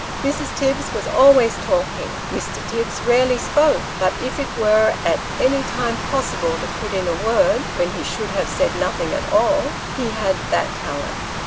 Mrs. Tibbs was always talking. Mr. Tibbs rarely spoko ; but, if it were at any time possible to put in a word, when he should have said nothing at all, he had that talent.